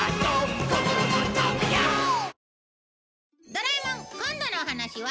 『ドラえもん』今度のお話は？